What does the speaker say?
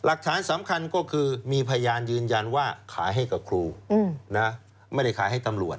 หลักฐานสำคัญก็คือมีพยานยืนยันว่าขายให้กับครูนะไม่ได้ขายให้ตำรวจ